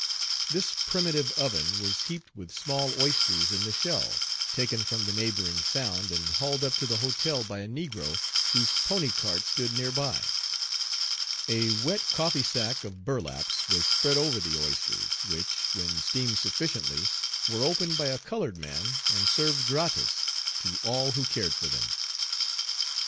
This primitive oven was heaped with small oysters in the shell, taken from the neighboring sound, and hauled up to the hotel by a negro whose pony cart stood near by. A wet coffee sack of burlaps was spread over the oysters, which, when steamed sufficiently, were opened by a colored man and served gratis to all who cared for them.